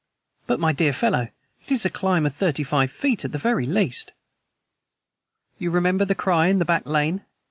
"But, my dear fellow, it is a climb of thirty five feet at the very least." "You remember the cry in the back lane?